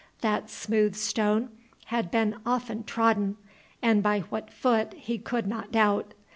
That smooth stone had been often trodden, and by what foot he could not doubt.